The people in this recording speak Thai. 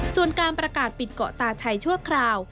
ส่วนการประกาศปิดเกาะตาชัยชั่วคราว